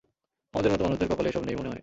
আমাদের মতো মানুষদের কপালে এসব নেই মনে হয়।